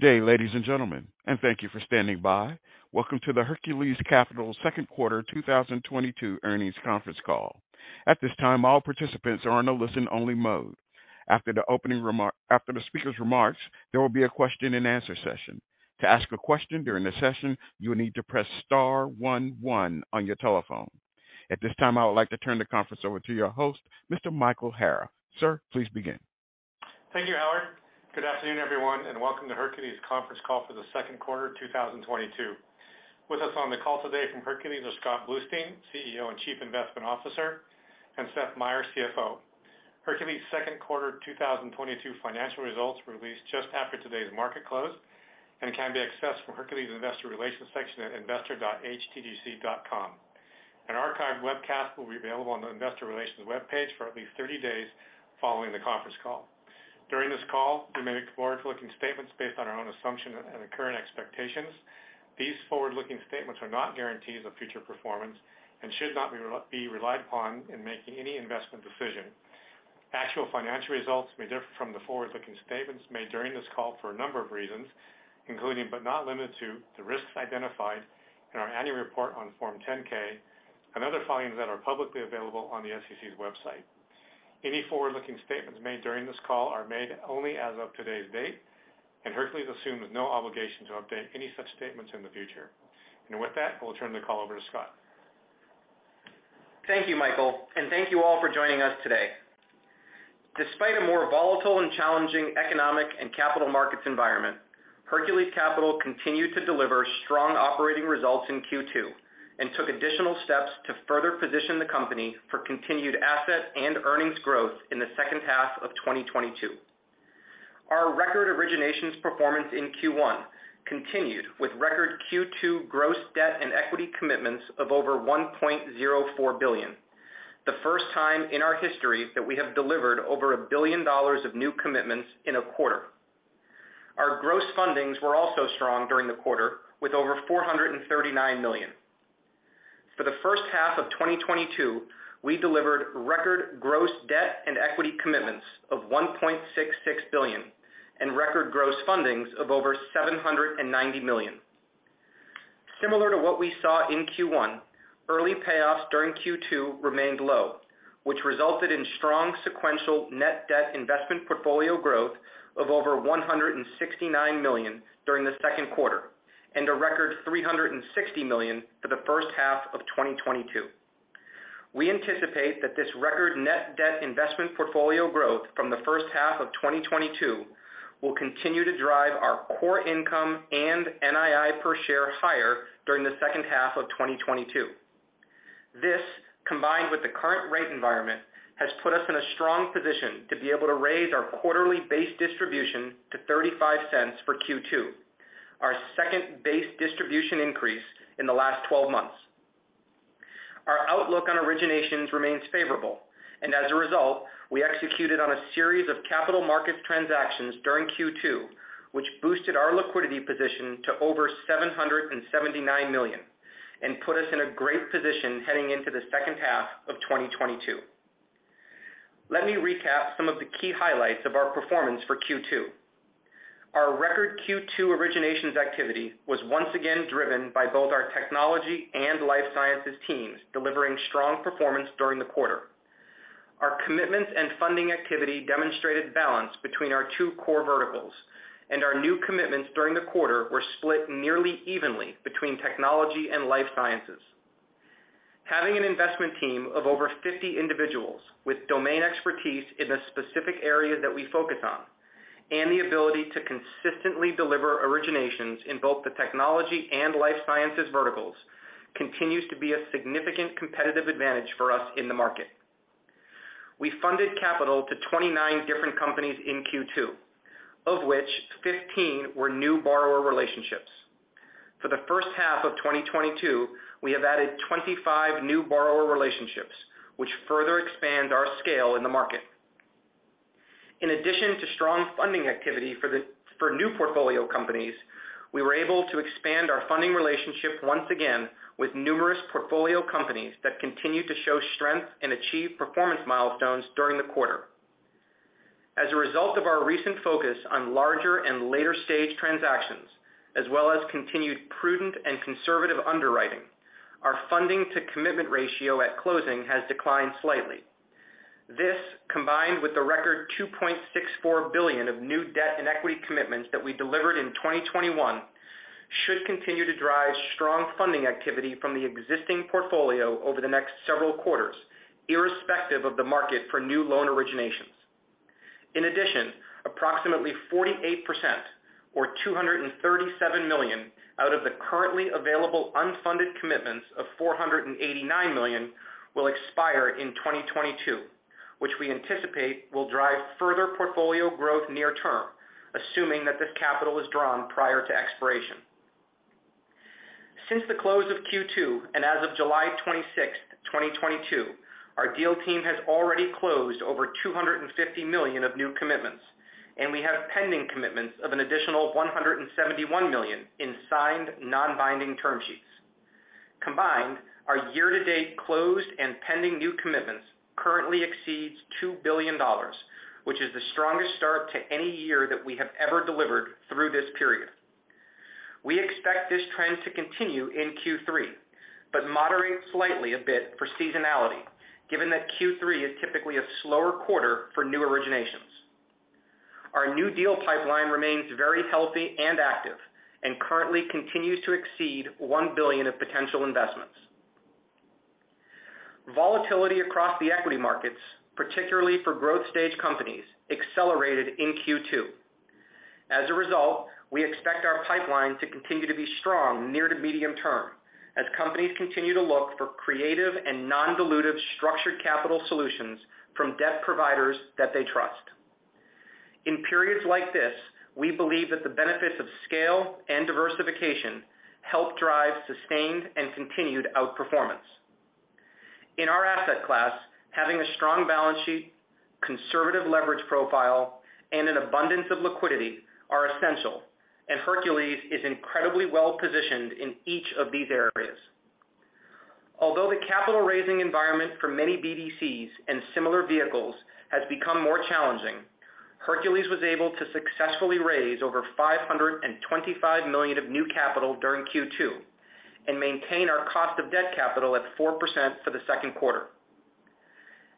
Good day, ladies and gentlemen, and thank you for standing by. Welcome to the Hercules Capital second quarter 2022 earnings conference call. At this time, all participants are in a listen-only mode. After the speaker's remarks, there will be a question-and-answer session. To ask a question during the session, you will need to press star one one on your telephone. At this time, I would like to turn the conference over to your host, Mr. Michael Hara. Sir, please begin. Thank you, Howard. Good afternoon, everyone, and welcome to Hercules conference call for the second quarter 2022. With us on the call today from Hercules are Scott Bluestein, CEO and Chief Investment Officer, and Seth Meyer, CFO. Hercules second quarter 2022 financial results were released just after today's market close and can be accessed from Hercules investor relations section at investor.htgc.com. An archived webcast will be available on the investor relations webpage for at least 30 days following the conference call. During this call, we may make forward-looking statements based on our own assumption and current expectations. These forward-looking statements are not guarantees of future performance and should not be relied upon in making any investment decision. Actual financial results may differ from the forward-looking statements made during this call for a number of reasons, including but not limited to the risks identified in our annual report on Form 10-K and other filings that are publicly available on the SEC's website. Any forward-looking statements made during this call are made only as of today's date, and Hercules assume no obligation to update any such statements in the future. With that, we'll turn the call over to Scott. Thank you, Michael, and thank you all for joining us today. Despite a more volatile and challenging economic and capital markets environment, Hercules Capital continued to deliver strong operating results in Q2 and took additional steps to further position the company for continued asset and earnings growth in the second half of 2022. Our record originations performance in Q1 continued with record Q2 gross debt and equity commitments of over $1.04 billion, the first time in our history that we have delivered over $1 billion of new commitments in a quarter. Our gross fundings were also strong during the quarter with over $439 million. For the first half of 2022, we delivered record gross debt and equity commitments of $1.66 billion and record gross fundings of over $790 million. Similar to what we saw in Q1, early payoffs during Q2 remained low, which resulted in strong sequential net debt investment portfolio growth of over $169 million during the second quarter, and a record $360 million for the first half of 2022. We anticipate that this record net debt investment portfolio growth from the first half of 2022 will continue to drive our core income and NII per share higher during the second half of 2022. This, combined with the current rate environment, has put us in a strong position to be able to raise our quarterly base distribution to $0.35 for Q2, our second base distribution increase in the last twelve months. Our outlook on originations remains favorable, and as a result, we executed on a series of capital market transactions during Q2, which boosted our liquidity position to over $779 million and put us in a great position heading into the second half of 2022. Let me recap some of the key highlights of our performance for Q2. Our record Q2 originations activity was once again driven by both our technology and life sciences teams delivering strong performance during the quarter. Our commitments and funding activity demonstrated balance between our two core verticals, and our new commitments during the quarter were split nearly evenly between technology and life sciences. Having an investment team of over 50 individuals with domain expertise in the specific area that we focus on and the ability to consistently deliver originations in both the technology and life sciences verticals continues to be a significant competitive advantage for us in the market. We funded capital to 29 different companies in Q2, of which 15 were new borrower relationships. For the first half of 2022, we have added 25 new borrower relationships, which further expand our scale in the market. In addition to strong funding activity for new portfolio companies, we were able to expand our funding relationship once again with numerous portfolio companies that continue to show strength and achieve performance milestones during the quarter. As a result of our recent focus on larger and later-stage transactions, as well as continued prudent and conservative underwriting, our funding to commitment ratio at closing has declined slightly. This, combined with the record $2.64 billion of new debt and equity commitments that we delivered in 2021, should continue to drive strong funding activity from the existing portfolio over the next several quarters, irrespective of the market for new loan originations. In addition, approximately 48% or $237 million out of the currently available unfunded commitments of $489 million will expire in 2022, which we anticipate will drive further portfolio growth near term, assuming that this capital is drawn prior to expiration. Since the close of Q2 and as of July 26, 2022, our deal team has already closed over $250 million of new commitments, and we have pending commitments of an additional $171 million in signed non-binding term sheets. Combined, our year-to-date closed and pending new commitments currently exceeds $2 billion, which is the strongest start to any year that we have ever delivered through this period. We expect this trend to continue in Q3, but moderate slightly a bit for seasonality given that Q3 is typically a slower quarter for new originations. Our new deal pipeline remains very healthy and active and currently continues to exceed $1 billion of potential investments. Volatility across the equity markets, particularly for growth stage companies, accelerated in Q2. As a result, we expect our pipeline to continue to be strong near to medium term as companies continue to look for creative and non-dilutive structured capital solutions from debt providers that they trust. In periods like this, we believe that the benefits of scale and diversification help drive sustained and continued outperformance. In our asset class, having a strong balance sheet, conservative leverage profile, and an abundance of liquidity are essential, and Hercules is incredibly well-positioned in each of these areas. Although the capital raising environment for many BDCs and similar vehicles has become more challenging, Hercules was able to successfully raise over $525 million of new capital during Q2 and maintain our cost of debt capital at 4% for the second quarter.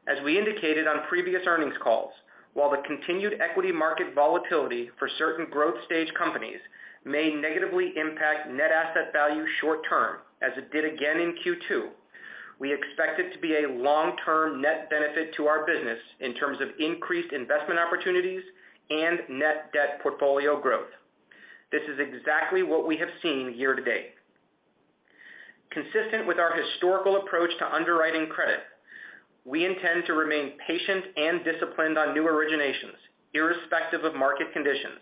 As we indicated on previous earnings calls, while the continued equity market volatility for certain growth stage companies may negatively impact net asset value short term, as it did again in Q2, we expect it to be a long-term net benefit to our business in terms of increased investment opportunities and net debt portfolio growth. This is exactly what we have seen year-to-date. Consistent with our historical approach to underwriting credit, we intend to remain patient and disciplined on new originations irrespective of market conditions,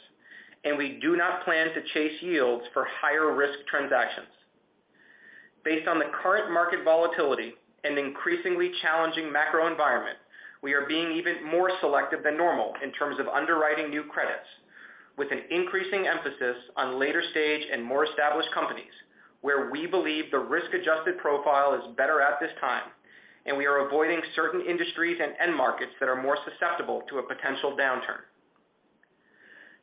and we do not plan to chase yields for higher risk transactions. Based on the current market volatility and increasingly challenging macro environment, we are being even more selective than normal in terms of underwriting new credits with an increasing emphasis on later stage and more established companies where we believe the risk-adjusted profile is better at this time, and we are avoiding certain industries and end markets that are more susceptible to a potential downturn.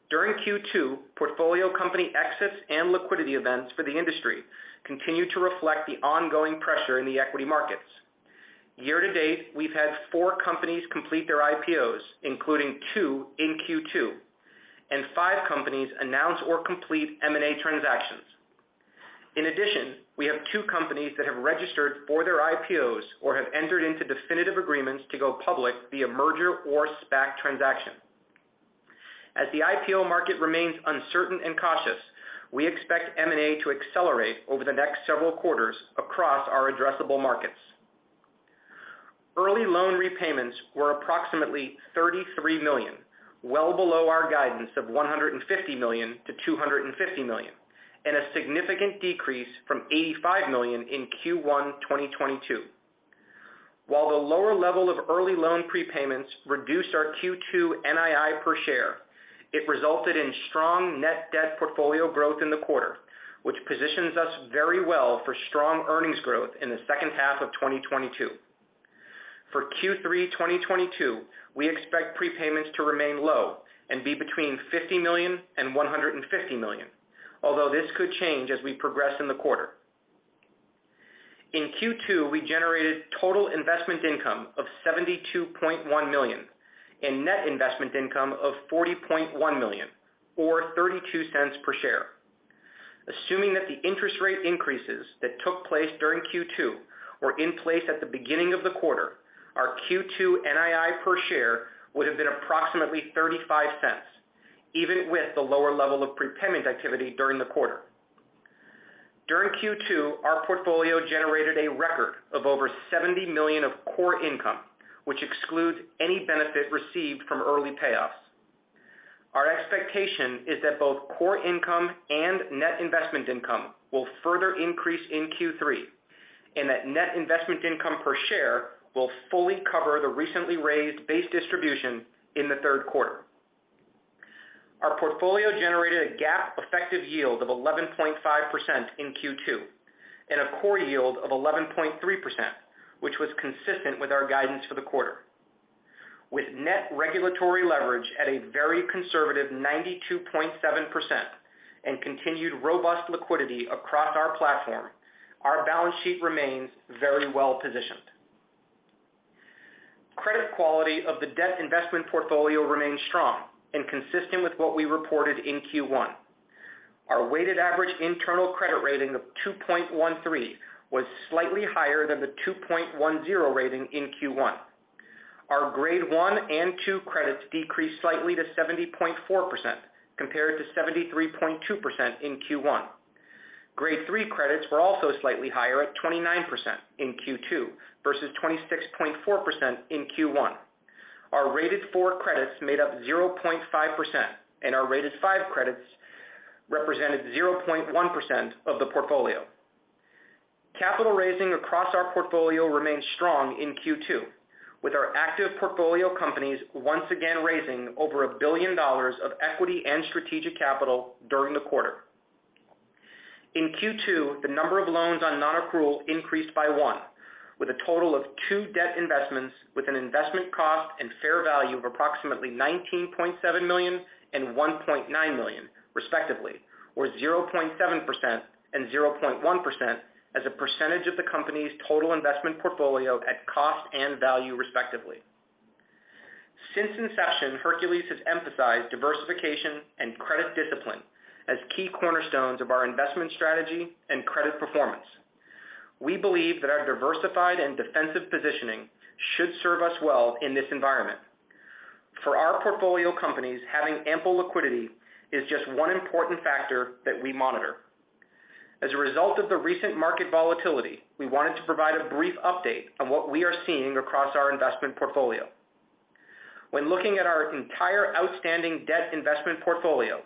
During Q2, portfolio company exits and liquidity events for the industry continued to reflect the ongoing pressure in the equity markets. Year-to-date, we've had four companies complete their IPOs, including two in Q2, and five companies announce or complete M&A transactions. In addition, we have two companies that have registered for their IPOs or have entered into definitive agreements to go public via merger or SPAC transaction. As the IPO market remains uncertain and cautious, we expect M&A to accelerate over the next several quarters across our addressable markets. Early loan repayments were approximately $33 million, well below our guidance of $150 million-$250 million, and a significant decrease from $85 million in Q1 2022. While the lower level of early loan prepayments reduced our Q2 NII per share, it resulted in strong net debt portfolio growth in the quarter, which positions us very well for strong earnings growth in the second half of 2022. For Q3 2022, we expect prepayments to remain low and be between $50 million and $150 million, although this could change as we progress in the quarter. In Q2, we generated total investment income of $72.1 million and net investment income of $40.1 million or $0.32 per share. Assuming that the interest rate increases that took place during Q2 were in place at the beginning of the quarter, our Q2 NII per share would have been approximately $0.35, even with the lower level of prepayment activity during the quarter. During Q2, our portfolio generated a record of over $70 million of core income, which excludes any benefit received from early payoffs. Our expectation is that both core income and net investment income will further increase in Q3, and that net investment income per share will fully cover the recently raised base distribution in the third quarter. Our portfolio generated a GAAP effective yield of 11.5% in Q2 and a core yield of 11.3%, which was consistent with our guidance for the quarter. With net regulatory leverage at a very conservative 92.7% and continued robust liquidity across our platform, our balance sheet remains very well-positioned. Credit quality of the debt investment portfolio remains strong and consistent with what we reported in Q1. Our weighted average internal credit rating of 2.13 was slightly higher than the 2.10 rating in Q1. Our grade one and two credits decreased slightly to 70.4% compared to 73.2% in Q1. Grade three credits were also slightly higher at 29% in Q2 versus 26.4% in Q1. Our rated four credits made up 0.5%, and our rated five credits represented 0.1% of the portfolio. Capital raising across our portfolio remains strong in Q2. With our active portfolio companies once again raising over $1 billion of equity and strategic capital during the quarter. In Q2, the number of loans on non-accrual increased by one, with a total of two debt investments with an investment cost and fair value of approximately $19.7 million and $1.9 million respectively, or 0.7% and 0.1% as a percentage of the company's total investment portfolio at cost and value respectively. Since inception, Hercules has emphasized diversification and credit discipline as key cornerstones of our investment strategy and credit performance. We believe that our diversified and defensive positioning should serve us well in this environment. For our portfolio companies, having ample liquidity is just one important factor that we monitor. As a result of the recent market volatility, we wanted to provide a brief update on what we are seeing across our investment portfolio. When looking at our entire outstanding debt investment portfolio,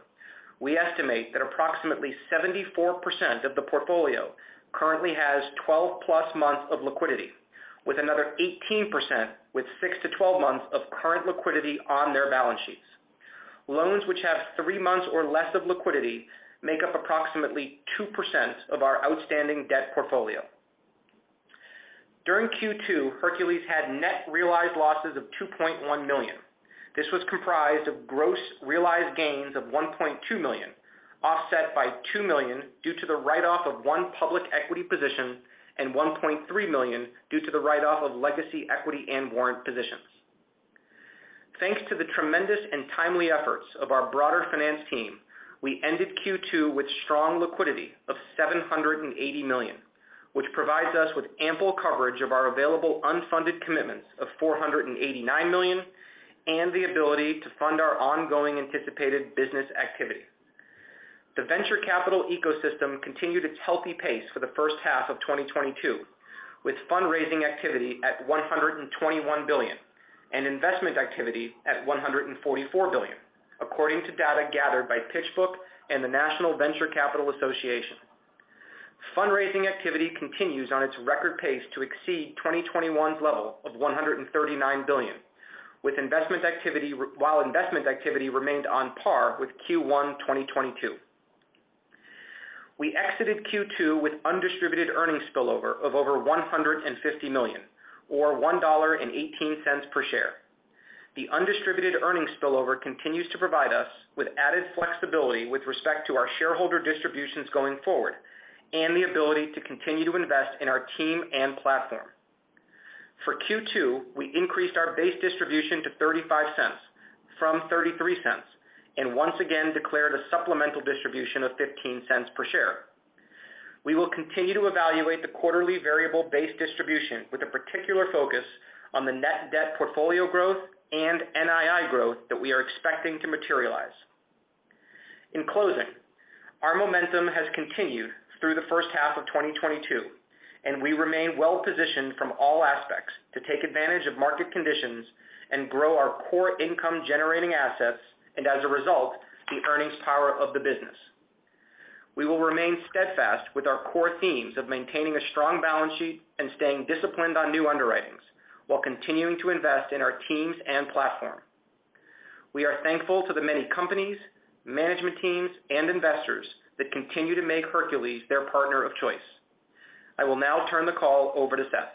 we estimate that approximately 74% of the portfolio currently has 12+ months of liquidity, with another 18% with 6-12 months of current liquidity on their balance sheets. Loans which have 3 months or less of liquidity make up approximately 2% of our outstanding debt portfolio. During Q2, Hercules had net realized losses of $2.1 million. This was comprised of gross realized gains of $1.2 million, offset by $2 million due to the write-off of one public equity position and $1.3 million due to the write-off of legacy equity and warrant positions. Thanks to the tremendous and timely efforts of our broader finance team, we ended Q2 with strong liquidity of $780 million, which provides us with ample coverage of our available unfunded commitments of $489 million and the ability to fund our ongoing anticipated business activity. The venture capital ecosystem continued its healthy pace for the first half of 2022, with fundraising activity at $121 billion and investment activity at $144 billion, according to data gathered by PitchBook and the National Venture Capital Association. Fundraising activity continues on its record pace to exceed 2021's level of $139 billion, while investment activity remained on par with Q1 2022. We exited Q2 with undistributed earnings spillover of over $150 million or $1.18 per share. The undistributed earnings spillover continues to provide us with added flexibility with respect to our shareholder distributions going forward and the ability to continue to invest in our team and platform. For Q2, we increased our base distribution to $0.35 from $0.33 and once again declared a supplemental distribution of $0.15 per share. We will continue to evaluate the quarterly variable base distribution with a particular focus on the net debt portfolio growth and NII growth that we are expecting to materialize. In closing, our momentum has continued through the first half of 2022, and we remain well positioned from all aspects to take advantage of market conditions and grow our core income-generating assets and as a result, the earnings power of the business. We will remain steadfast with our core themes of maintaining a strong balance sheet and staying disciplined on new underwritings while continuing to invest in our teams and platform. We are thankful to the many companies, management teams, and investors that continue to make Hercules their partner of choice. I will now turn the call over to Seth.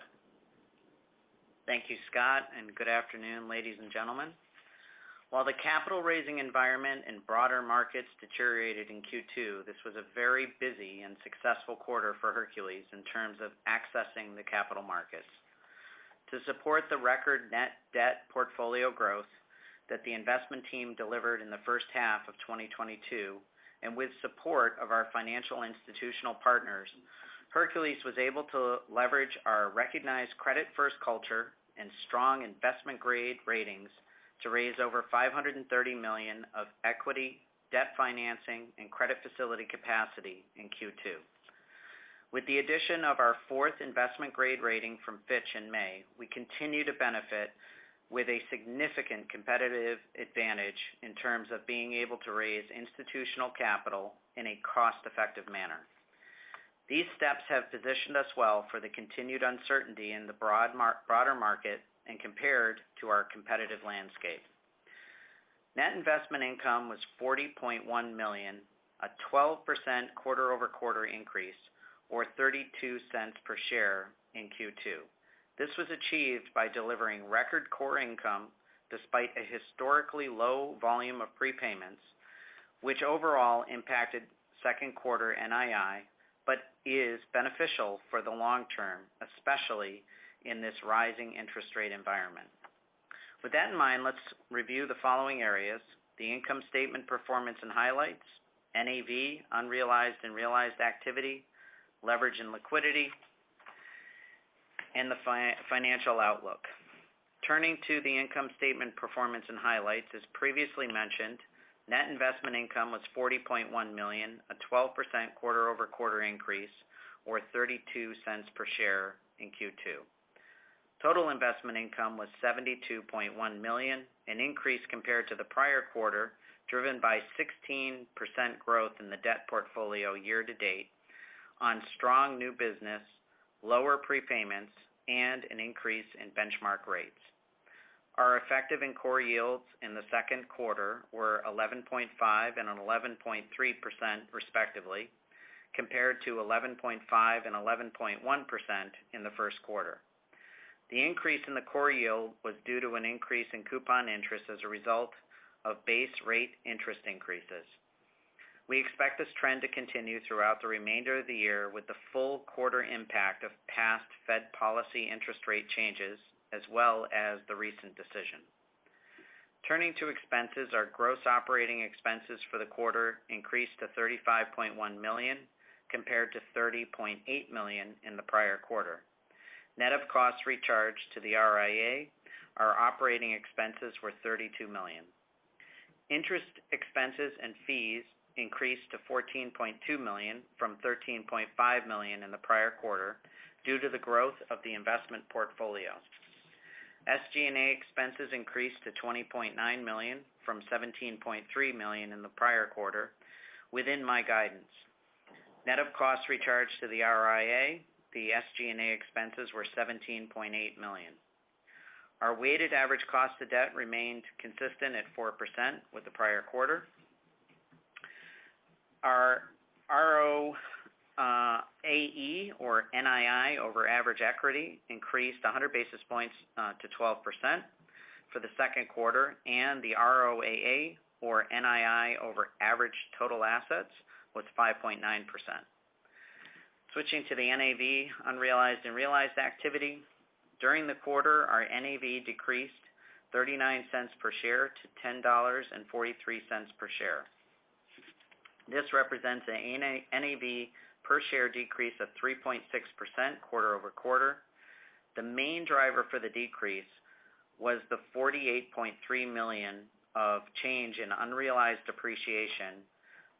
Thank you, Scott, and good afternoon, ladies and gentlemen. While the capital raising environment and broader markets deteriorated in Q2, this was a very busy and successful quarter for Hercules in terms of accessing the capital markets. To support the record net debt portfolio growth that the investment team delivered in the first half of 2022, and with support of our financial institutional partners, Hercules was able to leverage our recognized credit-first culture and strong investment-grade ratings to raise over $530 million of equity, debt financing, and credit facility capacity in Q2. With the addition of our fourth investment grade rating from Fitch in May, we continue to benefit with a significant competitive advantage in terms of being able to raise institutional capital in a cost-effective manner. These steps have positioned us well for the continued uncertainty in the broader market and compared to our competitive landscape. Net investment income was $40.1 million, a 12% quarter-over-quarter increase or $0.32 per share in Q2. This was achieved by delivering record core income despite a historically low volume of prepayments, which overall impacted second quarter NII, but is beneficial for the long term, especially in this rising interest rate environment. With that in mind, let's review the following areas, the income statement performance and highlights, NAV, unrealized and realized activity, leverage and liquidity, and the financial outlook. Turning to the income statement performance and highlights, as previously mentioned, net investment income was $40.1 million, a 12% quarter-over-quarter increase or $0.32 per share in Q2. Total investment income was $72.1 million, an increase compared to the prior quarter, driven by 16% growth in the debt portfolio year-to-date on strong new business, lower prepayments, and an increase in benchmark rates. Our effective and core yields in the second quarter were 11.5% and 11.3% respectively, compared to 11.5% and 11.1% in the first quarter. The increase in the core yield was due to an increase in coupon interest as a result of base rate interest increases. We expect this trend to continue throughout the remainder of the year with the full quarter impact of past Fed policy interest rate changes, as well as the recent decision. Turning to expenses. Our gross operating expenses for the quarter increased to $35.1 million, compared to $30.8 million in the prior quarter. Net of costs recharged to the RIA, our operating expenses were $32 million. Interest expenses and fees increased to $14.2 million from $13.5 million in the prior quarter due to the growth of the investment portfolio. SG&A expenses increased to $20.9 million, from $17.3 million in the prior quarter within my guidance. Net of costs recharged to the RIA, the SG&A expenses were $17.8 million. Our weighted average cost of debt remained consistent at 4% with the prior quarter. Our ROAE or NII over average equity increased 100 basis points to 12% for the second quarter, and the ROAA or NII over average total assets was 5.9%. Switching to the NAV unrealized and realized activity. During the quarter, our NAV decreased $0.39 per share to $10.43 per share. This represents a NAV per share decrease of 3.6% quarter-over-quarter. The main driver for the decrease was the $48.3 million of change in unrealized appreciation,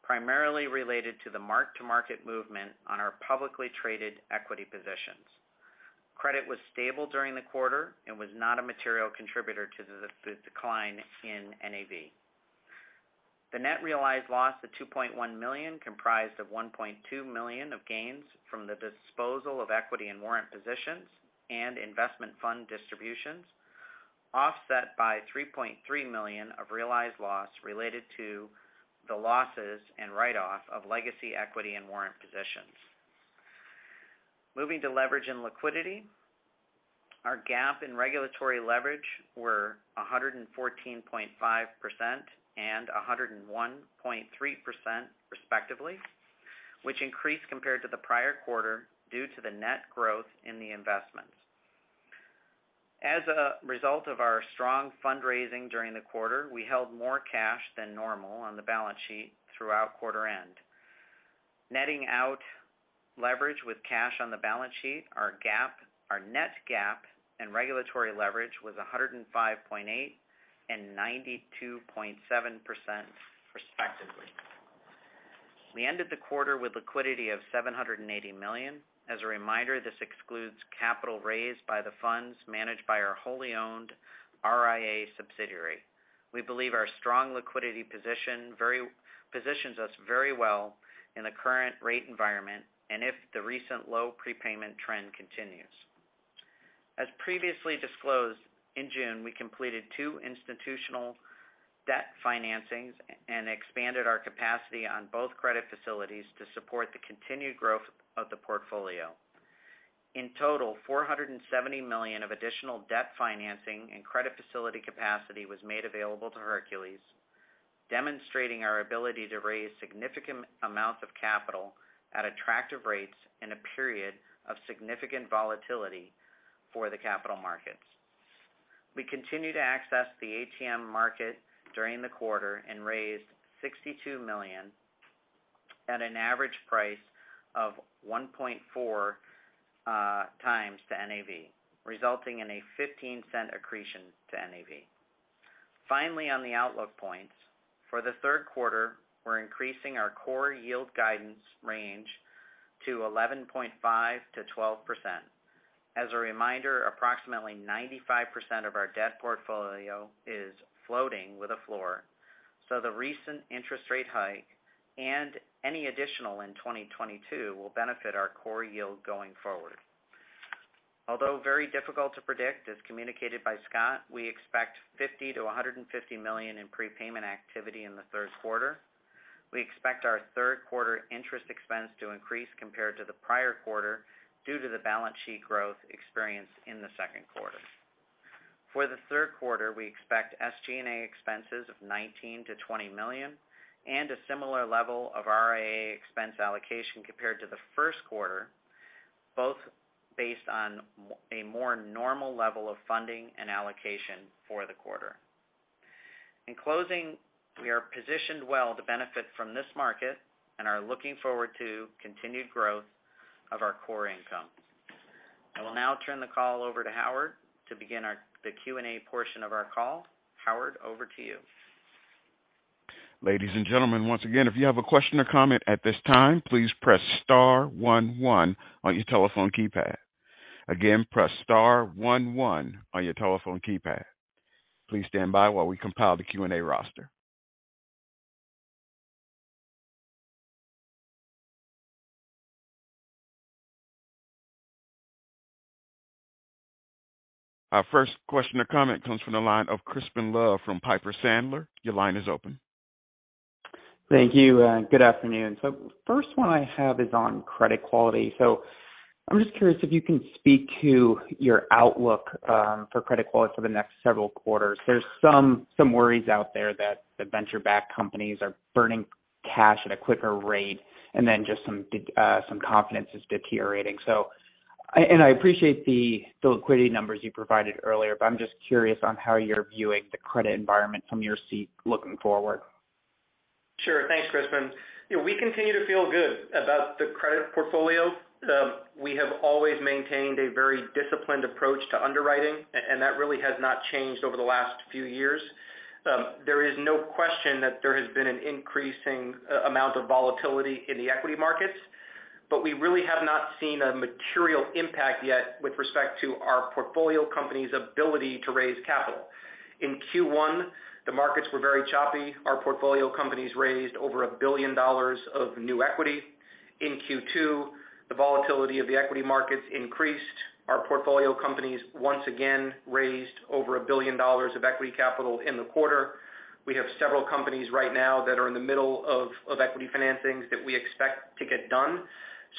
primarily related to the mark-to-market movement on our publicly traded equity positions. Credit was stable during the quarter and was not a material contributor to the decline in NAV. The net realized loss of $2.1 million comprised of $1.2 million of gains from the disposal of equity and warrant positions and investment fund distributions, offset by $3.3 million of realized loss related to the losses and write-off of legacy equity and warrant positions. Moving to leverage and liquidity. Our gap in regulatory leverage were 114.5% and 101.3% respectively, which increased compared to the prior quarter due to the net growth in the investments. As a result of our strong fundraising during the quarter, we held more cash than normal on the balance sheet throughout quarter end. Netting out leverage with cash on the balance sheet, our net gap and regulatory leverage was 105.8% and 92.7% respectively. We ended the quarter with liquidity of $780 million. As a reminder, this excludes capital raised by the funds managed by our wholly owned RIA subsidiary. We believe our strong liquidity position positions us very well in the current rate environment and if the recent low prepayment trend continues. As previously disclosed, in June, we completed two institutional debt financings and expanded our capacity on both credit facilities to support the continued growth of the portfolio. In total, $470 million of additional debt financing and credit facility capacity was made available to Hercules, demonstrating our ability to raise significant amounts of capital at attractive rates in a period of significant volatility for the capital markets. We continued to access the ATM market during the quarter and raised $62 million at an average price of 1.4x to NAV, resulting in a $0.15 accretion to NAV. Finally, on the outlook points. For the third quarter, we're increasing our core yield guidance range to 11.5%-12%. As a reminder, approximately 95% of our debt portfolio is floating with a floor, so the recent interest rate hike and any additional in 2022 will benefit our core yield going forward. Although very difficult to predict, as communicated by Scott, we expect $50 million-$150 million in prepayment activity in the third quarter. We expect our third quarter interest expense to increase compared to the prior quarter due to the balance sheet growth experienced in the second quarter. For the third quarter, we expect SG&A expenses of $19 million-$20 million and a similar level of RIA expense allocation compared to the first quarter, both based on a more normal level of funding and allocation for the quarter. In closing, we are positioned well to benefit from this market and are looking forward to continued growth of our core income. I will now turn the call over to Howard to begin the Q&A portion of our call. Howard, over to you. Ladies and gentlemen, once again, if you have a question or comment at this time, please press star one one on your telephone keypad. Again, press star one one on your telephone keypad. Please stand by while we compile the Q&A roster. Our first question or comment comes from the line of Crispin Love from Piper Sandler. Your line is open. Thank you and good afternoon. First one I have is on credit quality. I'm just curious if you can speak to your outlook for credit quality for the next several quarters. There's some worries out there that the venture-backed companies are burning cash at a quicker rate, and then just some confidence is deteriorating. I appreciate the liquidity numbers you provided earlier, but I'm just curious on how you're viewing the credit environment from your seat looking forward. Sure. Thanks, Crispin. You know, we continue to feel good about the credit portfolio. We have always maintained a very disciplined approach to underwriting, and that really has not changed over the last few years. There is no question that there has been an increasing amount of volatility in the equity markets, but we really have not seen a material impact yet with respect to our portfolio company's ability to raise capital. In Q1, the markets were very choppy. Our portfolio companies raised over $1 billion of new equity. In Q2, the volatility of the equity markets increased. Our portfolio companies once again raised over $1 billion of equity capital in the quarter. We have several companies right now that are in the middle of equity financings that we expect to get done.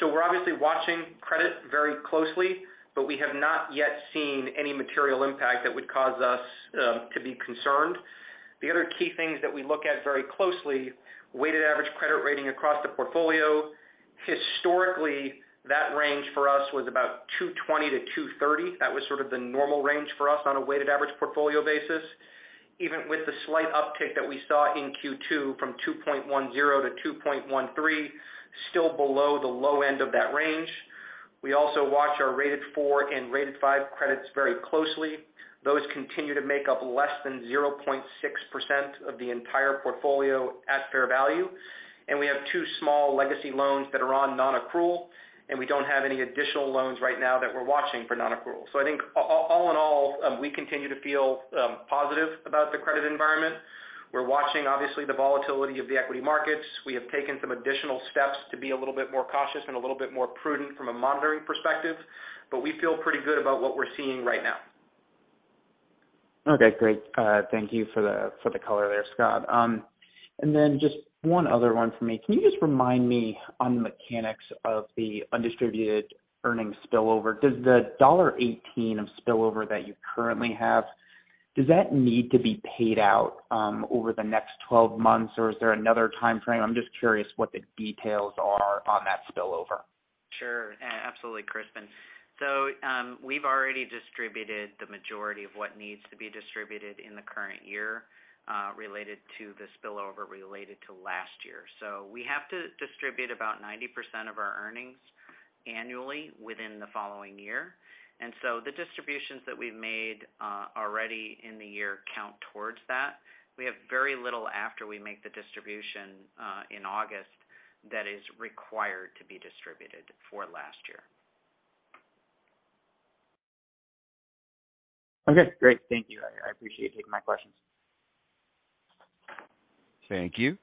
We're obviously watching credit very closely, but we have not yet seen any material impact that would cause us to be concerned. The other key things that we look at very closely, weighted average credit rating across the portfolio. Historically, that range for us was about 2.20-2.30. That was sort of the normal range for us on a weighted average portfolio basis. Even with the slight uptick that we saw in Q2 from 2.10 to 2.13, still below the low end of that range. We also watch our rated four and rated five credits very closely. Those continue to make up less than 0.6% of the entire portfolio at fair value. We have two small legacy loans that are on non-accrual, and we don't have any additional loans right now that we're watching for non-accrual. I think all in all, we continue to feel positive about the credit environment. We're watching, obviously, the volatility of the equity markets. We have taken some additional steps to be a little bit more cautious and a little bit more prudent from a monitoring perspective, but we feel pretty good about what we're seeing right now. Okay, great. Thank you for the color there, Scott. Then just one other one for me. Can you just remind me on the mechanics of the undistributed earnings spillover? Does the $1.18 of spillover that you currently have, does that need to be paid out over the next 12 months, or is there another timeframe? I'm just curious what the details are on that spillover. Sure. Absolutely, Crispin. We've already distributed the majority of what needs to be distributed in the current year related to the spillover related to last year. We have to distribute about 90% of our earnings annually within the following year. The distributions that we've made already in the year count towards that. We have very little after we make the distribution in August that is required to be distributed for last year. Okay, great. Thank you. I appreciate you taking my questions. Thank you.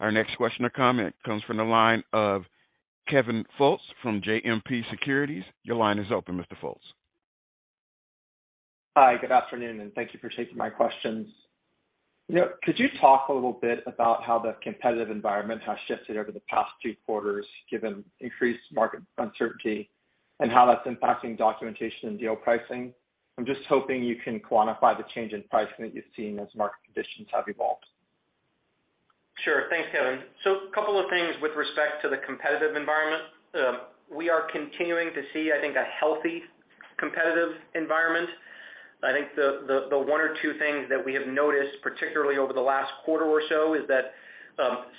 Our next question or comment comes from the line of Kevin Fultz from JMP Securities. Your line is open, Mr. Fultz. Hi, good afternoon, and thank you for taking my questions. You know, could you talk a little bit about how the competitive environment has shifted over the past two quarters, given increased market uncertainty, and how that's impacting documentation and deal pricing? I'm just hoping you can quantify the change in pricing that you've seen as market conditions have evolved. Sure. Thanks, Kevin. Couple of things with respect to the competitive environment. We are continuing to see, I think, a healthy competitive environment. I think the one or two things that we have noticed, particularly over the last quarter or so, is that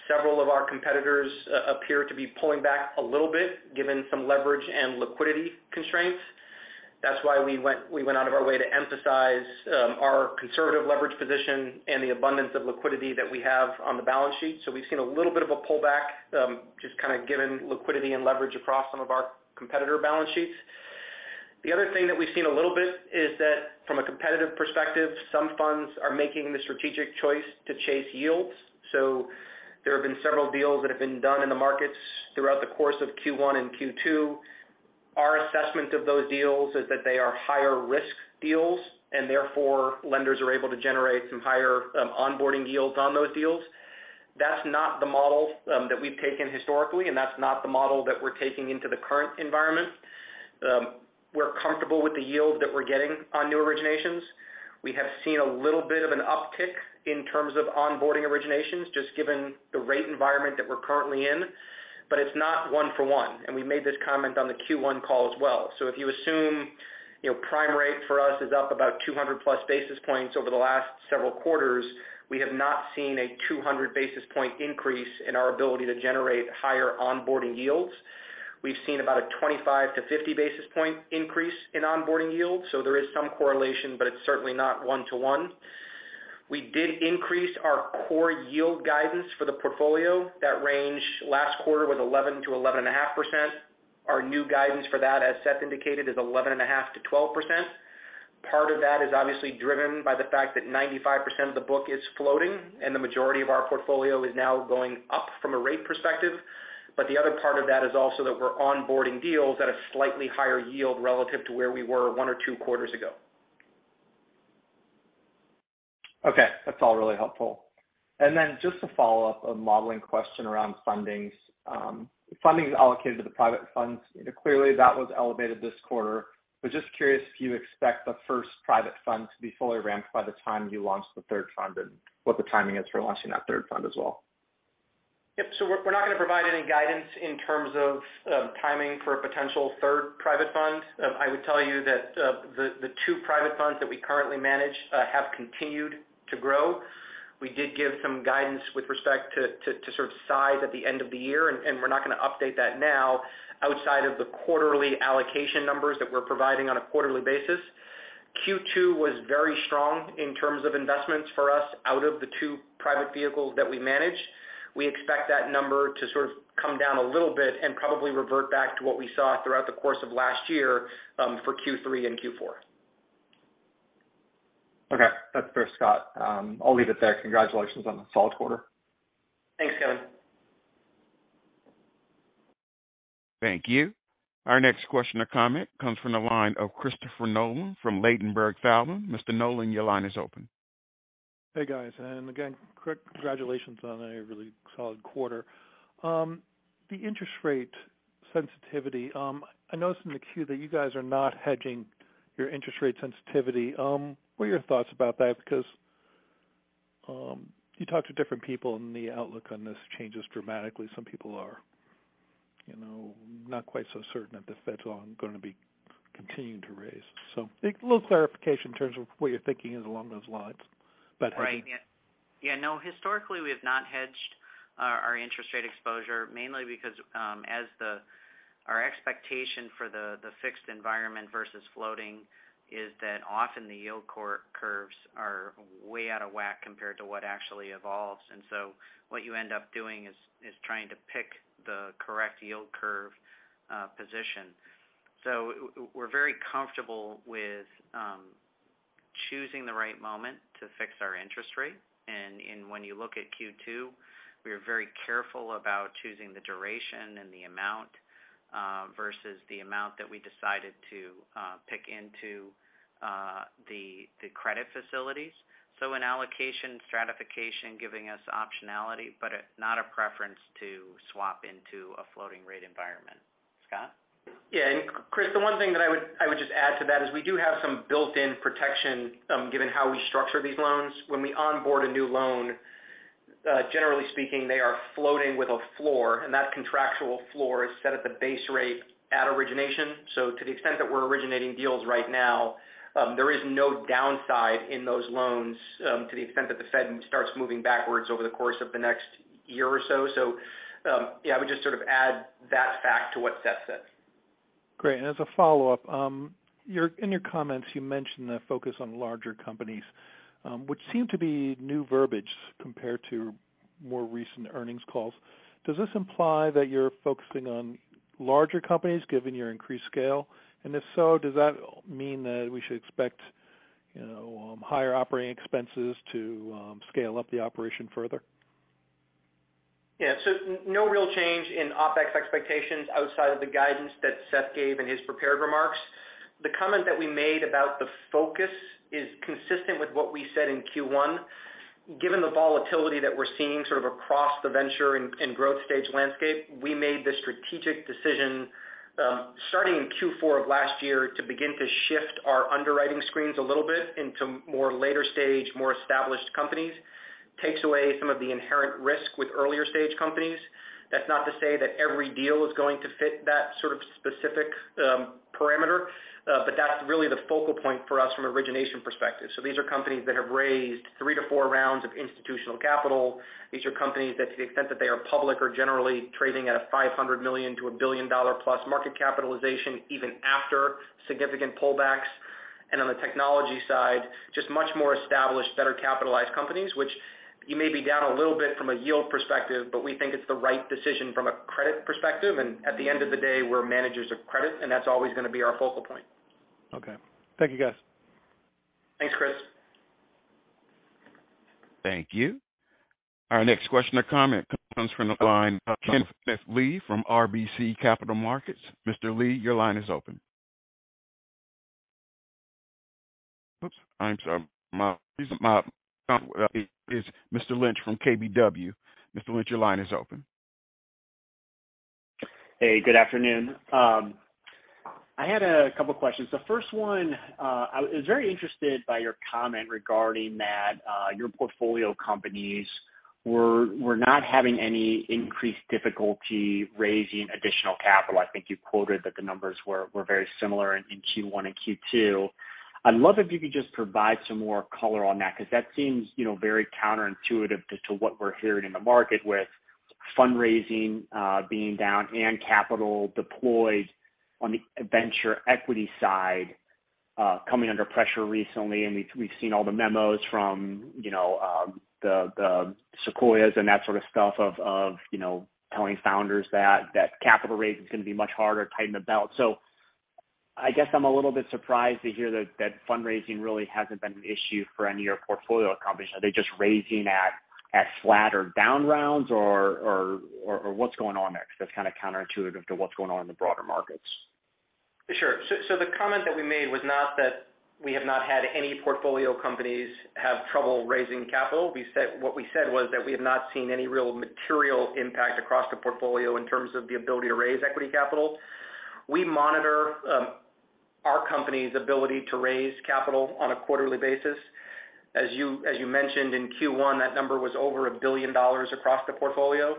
several of our competitors appear to be pulling back a little bit given some leverage and liquidity constraints. That's why we went out of our way to emphasize our conservative leverage position and the abundance of liquidity that we have on the balance sheet. We've seen a little bit of a pullback just kinda given liquidity and leverage across some of our competitor balance sheets. The other thing that we've seen a little bit is that from a competitive perspective, some funds are making the strategic choice to chase yields. There have been several deals that have been done in the markets throughout the course of Q1 and Q2. Our assessment of those deals is that they are higher risk deals and therefore lenders are able to generate some higher onboarding yields on those deals. That's not the model that we've taken historically, and that's not the model that we're taking into the current environment. We're comfortable with the yield that we're getting on new originations. We have seen a little bit of an uptick in terms of onboarding originations, just given the rate environment that we're currently in, but it's not one for one, and we made this comment on the Q1 call as well. If you assume, you know, prime rate for us is up about 200+ basis points over the last several quarters, we have not seen a 200 basis point increase in our ability to generate higher onboarding yields. We've seen about a 25-50 basis point increase in onboarding yields. There is some correlation, but it's certainly not 1-to-1. We did increase our core yield guidance for the portfolio. That range last quarter was 11%-11.5%. Our new guidance for that, as Seth indicated, is 11.5%-12%. Part of that is obviously driven by the fact that 95% of the book is floating and the majority of our portfolio is now going up from a rate perspective. The other part of that is also that we're onboarding deals at a slightly higher yield relative to where we were 1 or 2 quarters ago. Okay, that's all really helpful. Just to follow up a modeling question around fundings. Funding is allocated to the private funds. Clearly, that was elevated this quarter. Just curious if you expect the first private fund to be fully ramped by the time you launch the third fund and what the timing is for launching that third fund as well. Yep. We're not gonna provide any guidance in terms of timing for a potential third private fund. I would tell you that the two private funds that we currently manage have continued to grow. We did give some guidance with respect to the size at the end of the year, and we're not gonna update that now outside of the quarterly allocation numbers that we're providing on a quarterly basis. Q2 was very strong in terms of investments for us out of the two private vehicles that we manage. We expect that number to sort of come down a little bit and probably revert back to what we saw throughout the course of last year for Q3 and Q4. Okay. That's fair, Scott. I'll leave it there. Congratulations on a solid quarter. Thanks, Kevin. Thank you. Our next question or comment comes from the line of Christopher Nolan from Ladenburg Thalmann. Mr. Nolan, your line is open. Hey, guys. Again, quick congratulations on a really solid quarter. The interest rate sensitivity, I noticed in the Q that you guys are not hedging your interest rate sensitivity. What are your thoughts about that? Because you talk to different people and the outlook on this changes dramatically. Some people are, you know, not quite so certain that the Fed's long gonna be continuing to raise. A little clarification in terms of what your thinking is along those lines about hedging. Right. Yeah, no, historically, we have not hedged our interest rate exposure mainly because our expectation for the fixed environment versus floating is that often the yield curves are way out of whack compared to what actually evolves. What you end up doing is trying to pick the correct yield curve position. We're very comfortable with choosing the right moment to fix our interest rate. When you look at Q2, we are very careful about choosing the duration and the amount versus the amount that we decided to put into the credit facilities. An allocation stratification giving us optionality, but not a preference to swap into a floating rate environment. Scott? Yeah. Chris, the one thing that I would just add to that is we do have some built-in protection, given how we structure these loans. When we onboard a new loan, generally speaking, they are floating with a floor, and that contractual floor is set at the base rate at origination. To the extent that we're originating deals right now, there is no downside in those loans, to the extent that the Fed starts moving backwards over the course of the next year or so. Yeah, I would just sort of add that fact to what Seth said. Great. As a follow-up, in your comments, you mentioned a focus on larger companies, which seem to be new verbiage compared to more recent earnings calls. Does this imply that you're focusing on larger companies given your increased scale? And if so, does that mean that we should expect, you know, higher operating expenses to scale up the operation further? Yeah. No real change in OpEx expectations outside of the guidance that Seth gave in his prepared remarks. The comment that we made about the focus is consistent with what we said in Q1. Given the volatility that we're seeing sort of across the venture and growth stage landscape, we made the strategic decision, starting in Q4 of last year to begin to shift our underwriting screens a little bit into more later stage, more established companies. Takes away some of the inherent risk with earlier stage companies. That's not to say that every deal is going to fit that sort of specific parameter, but that's really the focal point for us from an origination perspective. These are companies that have raised 3-4 rounds of institutional capital. These are companies that, to the extent that they are public, are generally trading at a $500 million-$1 billion-plus market capitalization, even after significant pullbacks. On the technology side, just much more established, better capitalized companies, which you may be down a little bit from a yield perspective, but we think it's the right decision from a credit perspective. At the end of the day, we're managers of credit, and that's always gonna be our focal point. Okay. Thank you, guys. Thanks, Chris. Thank you. Our next question or comment comes from the line of Kenneth Lee from RBC Capital Markets. Mr. Lee, your line is open. Oops, I'm sorry. It is Mr. Lynch from KBW. Mr. Lynch, your line is open. Hey, good afternoon. I had a couple questions. The first one, I was very interested by your comment regarding that, your portfolio companies were not having any increased difficulty raising additional capital. I think you quoted that the numbers were very similar in Q1 and Q2. I'd love if you could just provide some more color on that because that seems, you know, very counterintuitive to what we're hearing in the market with fundraising being down and capital deployed on the venture equity side coming under pressure recently. We've seen all the memos from, you know, the Sequoia and that sort of stuff of you know telling founders that that capital raise is gonna be much harder, tighten the belt. I guess I'm a little bit surprised to hear that fundraising really hasn't been an issue for any of your portfolio companies. Are they just raising at flat or down rounds or what's going on there? Because that's kind of counterintuitive to what's going on in the broader markets. Sure. The comment that we made was not that we have not had any portfolio companies have trouble raising capital. We said what we said was that we have not seen any real material impact across the portfolio in terms of the ability to raise equity capital. We monitor our company's ability to raise capital on a quarterly basis. As you mentioned, in Q1, that number was over $1 billion across the portfolio.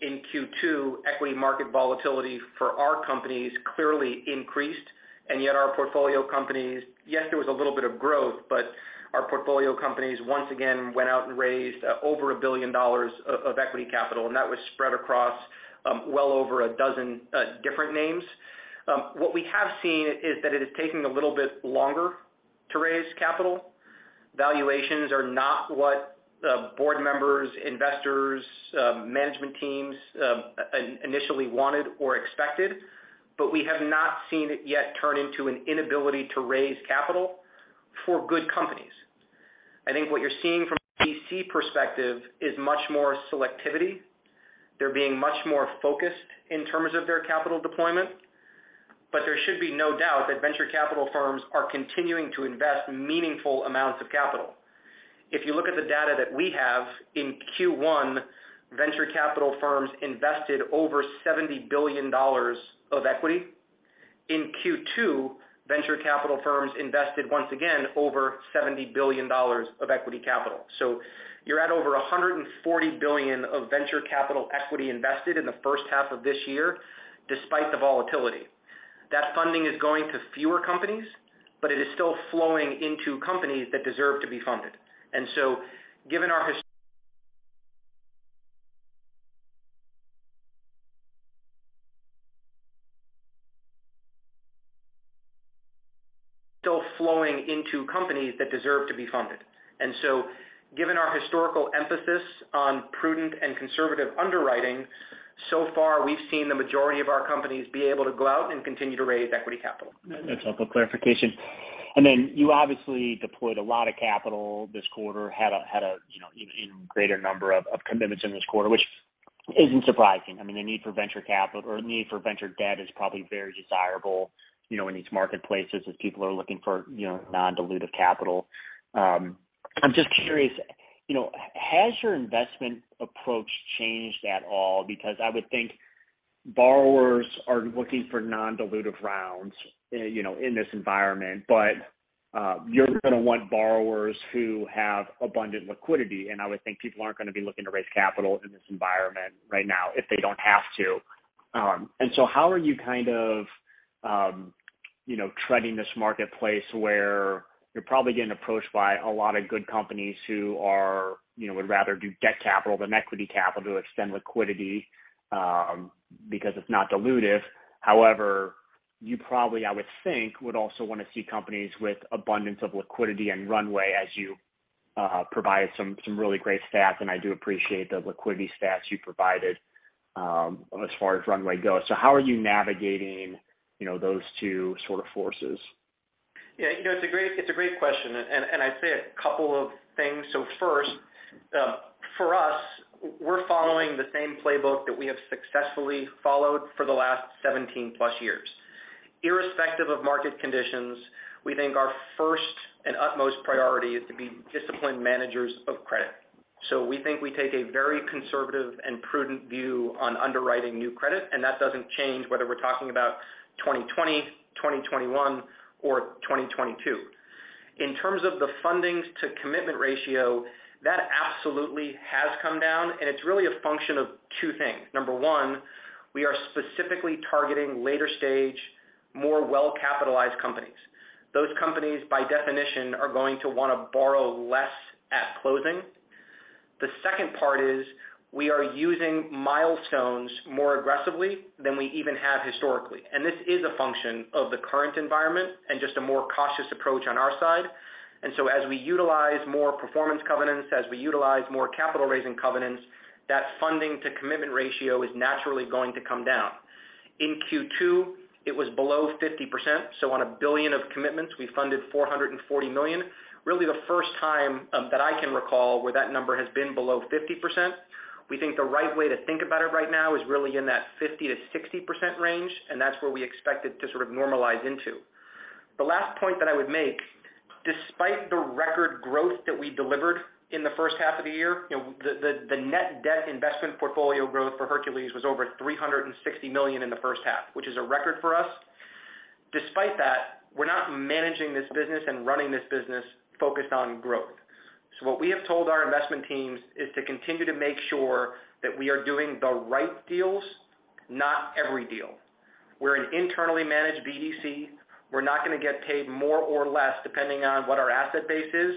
In Q2, equity market volatility for our companies clearly increased, and yet our portfolio companies, yes, there was a little bit of growth, but our portfolio companies once again went out and raised over $1 billion of equity capital, and that was spread across well over a dozen different names. What we have seen is that it is taking a little bit longer to raise capital. Valuations are not what Board members, investors, management teams initially wanted or expected, but we have not seen it yet turn into an inability to raise capital for good companies. I think what you're seeing from a VC perspective is much more selectivity. They're being much more focused in terms of their capital deployment. But there should be no doubt that venture capital firms are continuing to invest meaningful amounts of capital. If you look at the data that we have, in Q1, venture capital firms invested over $70 billion of equity. In Q2, venture capital firms invested once again over $70 billion of equity capital. You're at over $140 billion of venture capital equity invested in the first half of this year, despite the volatility. That funding is going to fewer companies, but it is still flowing into companies that deserve to be funded. Given our historical emphasis on prudent and conservative underwriting, so far we've seen the majority of our companies be able to go out and continue to raise equity capital. That's helpful clarification. I mean, you obviously deployed a lot of capital this quarter, had a you know, even greater number of commitments in this quarter, which isn't surprising. I mean, the need for venture capital or need for venture debt is probably very desirable, you know, in these marketplaces as people are looking for, you know, non-dilutive capital. I'm just curious, you know, has your investment approach changed at all? Because I would think borrowers are looking for non-dilutive rounds, you know, in this environment, but you're gonna want borrowers who have abundant liquidity, and I would think people aren't gonna be looking to raise capital in this environment right now if they don't have to. How are you kind of, you know, treading this marketplace where you're probably getting approached by a lot of good companies who are, you know, would rather do debt capital than equity capital to extend liquidity, because it's not dilutive. However, you probably, I would think, would also wanna see companies with abundance of liquidity and runway as you provide some really great stats, and I do appreciate the liquidity stats you provided, as far as runway goes. how are you navigating, you know, those two sort of forces? Yeah. You know, it's a great question, and I'd say a couple of things. First, for us, we're following the same playbook that we have successfully followed for the last 17+ years. Irrespective of market conditions, we think our first and utmost priority is to be disciplined managers of credit. We think we take a very conservative and prudent view on underwriting new credit, and that doesn't change whether we're talking about 2020, 2021, or 2022. In terms of the fundings to commitment ratio, that absolutely has come down, and it's really a function of two things. Number one, we are specifically targeting later stage, more well-capitalized companies. Those companies, by definition, are going to wanna borrow less at closing. The second part is we are using milestones more aggressively than we even have historically. This is a function of the current environment and just a more cautious approach on our side. As we utilize more performance covenants, as we utilize more capital raising covenants, that funding to commitment ratio is naturally going to come down. In Q2, it was below 50%, so on $1 billion of commitments, we funded $440 million. Really the first time that I can recall where that number has been below 50%. We think the right way to think about it right now is really in that 50%-60% range, and that's where we expect it to sort of normalize into. The last point that I would make, despite the record growth that we delivered in the first half of the year, you know, the net debt investment portfolio growth for Hercules was over $360 million in the first half, which is a record for us. Despite that, we're not managing this business and running this business focused on growth. What we have told our investment teams is to continue to make sure that we are doing the right deals, not every deal. We're an internally managed BDC. We're not gonna get paid more or less depending on what our asset base is,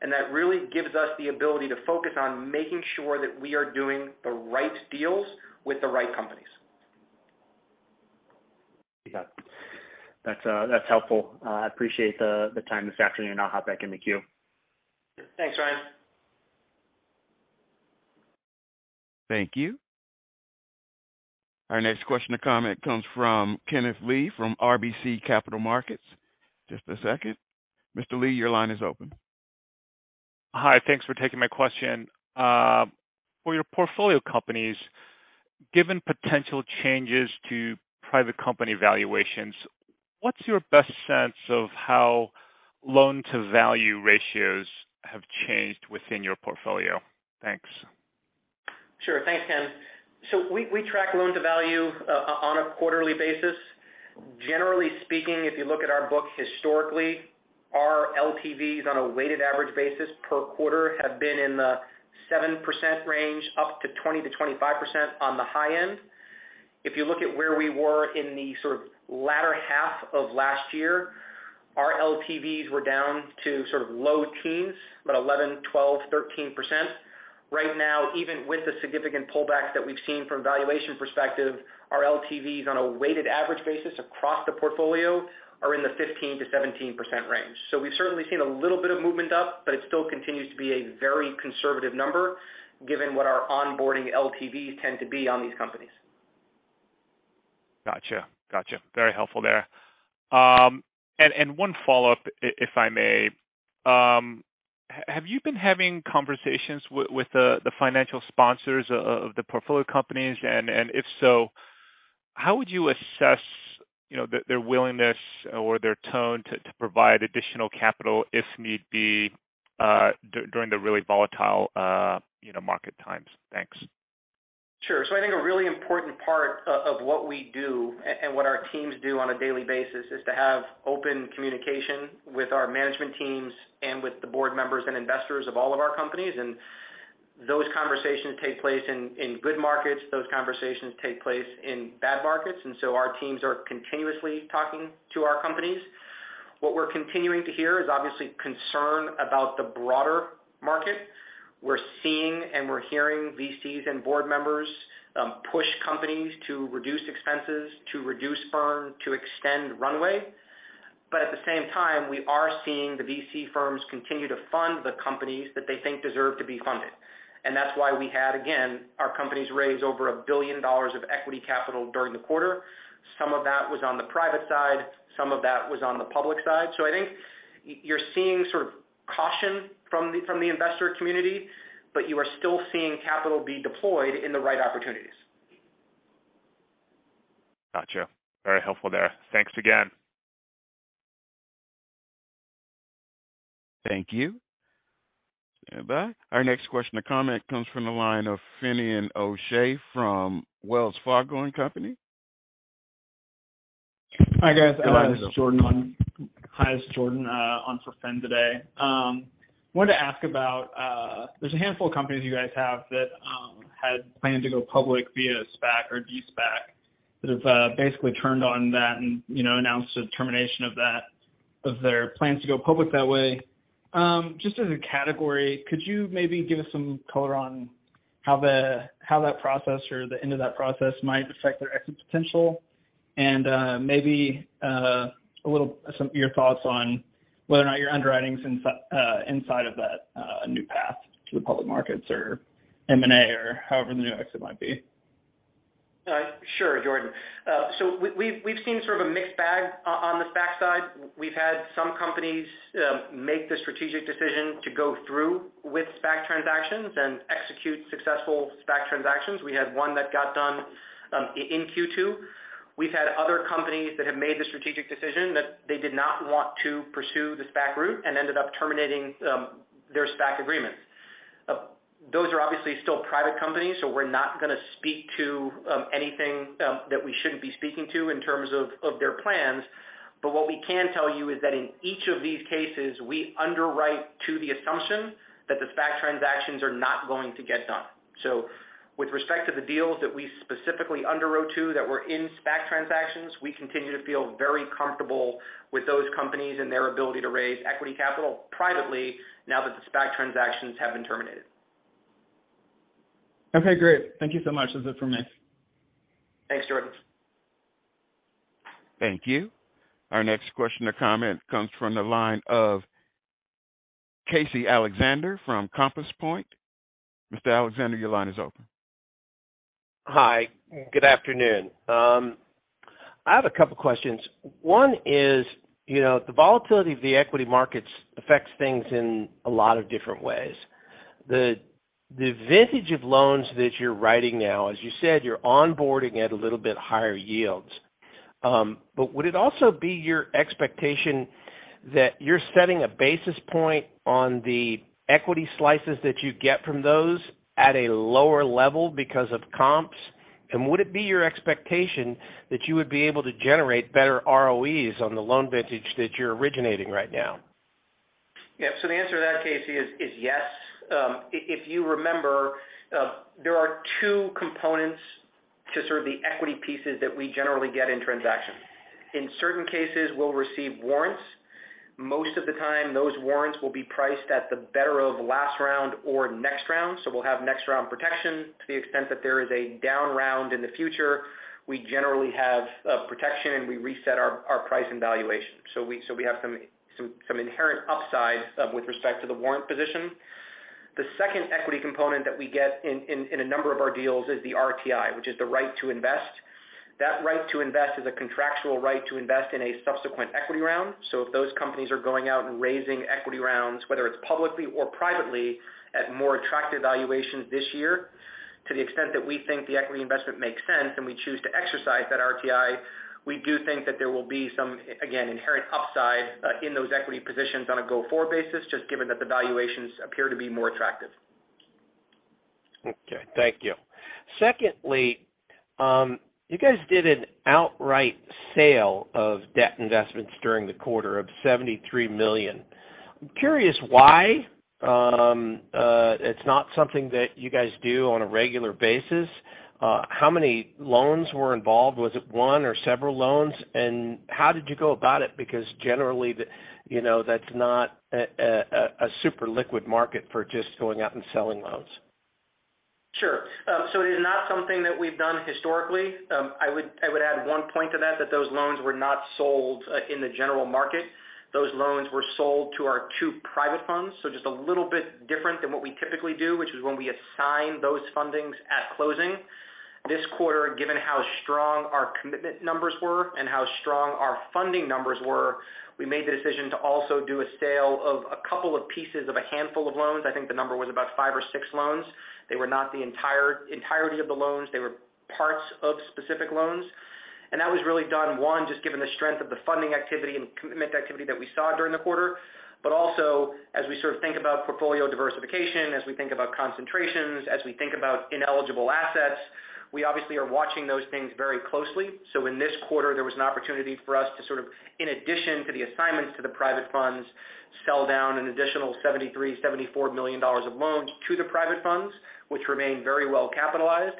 and that really gives us the ability to focus on making sure that we are doing the right deals with the right companies. Yeah. That's helpful. I appreciate the time this afternoon, and I'll hop back in the queue. Thanks, Ryan. Thank you. Our next question or comment comes from Kenneth Lee from RBC Capital Markets. Just a second. Mr. Lee, your line is open. Hi. Thanks for taking my question. For your portfolio companies, given potential changes to private company valuations, what's your best sense of how loan-to-value ratios have changed within your portfolio? Thanks. Sure. Thanks, Ken. We track loan-to-value on a quarterly basis. Generally speaking, if you look at our book historically, our LTVs on a weighted average basis per quarter have been in the 7% range, up to 20%-25% on the high end. If you look at where we were in the sort of latter half of last year, our LTVs were down to sort of low teens, about 11, 12, 13%. Right now, even with the significant pullback that we've seen from valuation perspective, our LTVs on a weighted average basis across the portfolio are in the 15%-17% range. We've certainly seen a little bit of movement up, but it still continues to be a very conservative number given what our onboarding LTVs tend to be on these companies. Gotcha. Very helpful there. One follow-up, if I may. Have you been having conversations with the financial sponsors of the portfolio companies? If so, how would you assess, you know, their willingness or their tone to provide additional capital if need be, during the really volatile, you know, market times? Thanks. Sure. I think a really important part of what we do and what our teams do on a daily basis is to have open communication with our management teams and with the Board members and investors of all of our companies. Those conversations take place in good markets. Those conversations take place in bad markets, and so our teams are continuously talking to our companies. What we're continuing to hear is obviously concern about the broader market. We're seeing and we're hearing VCs and Board members push companies to reduce expenses, to reduce burn, to extend runway. At the same time, we are seeing the VC firms continue to fund the companies that they think deserve to be funded. That's why we had, again, our companies raise over $1 billion of equity capital during the quarter. Some of that was on the private side, some of that was on the public side. I think you're seeing sort of caution from the investor community, but you are still seeing capital be deployed in the right opportunities. Gotcha. Very helpful there. Thanks again. Thank you. Stand by. Our next question or comment comes from the line of Finian O'Shea from Wells Fargo & Company. Hi, guys. Go ahead. Hi, this is Jordan on for Finian today. Wanted to ask about, there's a handful of companies you guys have that had planned to go public via SPAC or De-SPAC, but have basically turned on that and, you know, announced the termination of that, of their plans to go public that way. Just as a category, could you maybe give us some color on how that process or the end of that process might affect their exit potential? Maybe some of your thoughts on whether or not your underwriting's inside of that new path to the public markets or M&A or however the new exit might be. Sure, Jordan. We've seen sort of a mixed bag on the SPAC side. We've had some companies make the strategic decision to go through with SPAC transactions and execute successful SPAC transactions. We had one that got done in Q2. We've had other companies that have made the strategic decision that they did not want to pursue the SPAC route and ended up terminating their SPAC agreements. Those are obviously still private companies, so we're not gonna speak to anything that we shouldn't be speaking to in terms of their plans. What we can tell you is that in each of these cases, we underwrite to the assumption that the SPAC transactions are not going to get done. With respect to the deals that we specifically underwrote to that were in SPAC transactions, we continue to feel very comfortable with those companies and their ability to raise equity capital privately now that the SPAC transactions have been terminated. Okay, great. Thank you so much. That's it for me. Thanks, Jordan. Thank you. Our next question or comment comes from the line of Casey Alexander from Compass Point. Mr. Alexander, your line is open. Hi. Good afternoon. I have a couple questions. One is, you know, the volatility of the equity markets affects things in a lot of different ways. The vintage of loans that you're writing now, as you said, you're onboarding at a little bit higher yields. But would it also be your expectation that you're setting a basis point on the equity slices that you get from those at a lower level because of comps? Would it be your expectation that you would be able to generate better ROEs on the loan vintage that you're originating right now? Yeah. The answer to that, Casey, is yes. If you remember, there are two components to sort of the equity pieces that we generally get in transactions. In certain cases, we'll receive warrants. Most of the time, those warrants will be priced at the better of last round or next round. We'll have next round protection. To the extent that there is a down round in the future, we generally have protection and we reset our price and valuation. We have some inherent upside with respect to the warrant position. The second equity component that we get in a number of our deals is the RTI, which is the right to invest. That right to invest is a contractual right to invest in a subsequent equity round. If those companies are going out and raising equity rounds, whether it's publicly or privately, at more attractive valuations this year, to the extent that we think the equity investment makes sense and we choose to exercise that RTI, we do think that there will be some, again, inherent upside in those equity positions on a go-forward basis, just given that the valuations appear to be more attractive. Okay. Thank you. Secondly, you guys did an outright sale of debt investments during the quarter of $73 million. I'm curious why. It's not something that you guys do on a regular basis. How many loans were involved? Was it one or several loans? How did you go about it? Because generally, you know, that's not a super liquid market for just going out and selling loans. Sure. So it is not something that we've done historically. I would add one point to that those loans were not sold in the general market. Those loans were sold to our two private funds. So just a little bit different than what we typically do, which is when we assign those fundings at closing. This quarter, given how strong our commitment numbers were and how strong our funding numbers were, we made the decision to also do a sale of a couple of pieces of a handful of loans. I think the number was about five or six loans. They were not the entirety of the loans. They were parts of specific loans. That was really done, one, just given the strength of the funding activity and commitment activity that we saw during the quarter. Also as we sort of think about portfolio diversification, as we think about concentrations, as we think about ineligible assets, we obviously are watching those things very closely. In this quarter, there was an opportunity for us to sort of, in addition to the assignments to the private funds, sell down an additional $73 million-$74 million of loans to the private funds, which remain very well capitalized.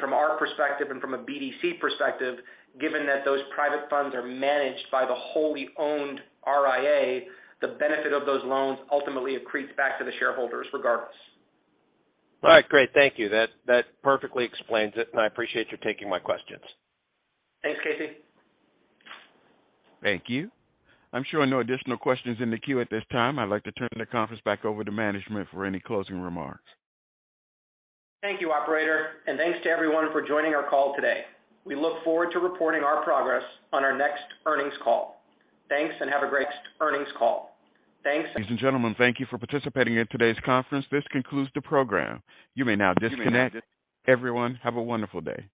From our perspective and from a BDC perspective, given that those private funds are managed by the wholly owned RIA, the benefit of those loans ultimately accretes back to the shareholders regardless. All right, great. Thank you. That perfectly explains it. I appreciate you taking my questions. Thanks, Casey. Thank you. I'm showing no additional questions in the queue at this time. I'd like to turn the conference back over to management for any closing remarks. Thank you, operator. Thanks to everyone for joining our call today. We look forward to reporting our progress on our next earnings call. Thanks and have a great- Ladies and gentlemen, thank you for participating in today's conference. This concludes the program. You may now disconnect. Everyone, have a wonderful day.